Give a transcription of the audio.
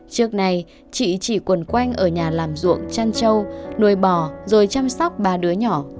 trước nay chị chỉ quần quanh ở nhà làm ruộng chăn trâu nuôi bò rồi chăm sóc ba đứa nhỏ